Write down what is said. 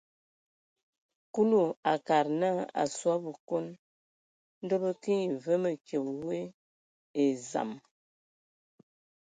Kulu a akad naa, a asɔ a Bǝkon, ndɔ bə kə nye və mǝkyǝbe we e dzam.